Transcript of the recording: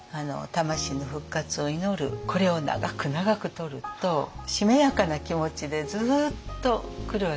これを長く長くとるとしめやかな気持ちでずっとくるわけです。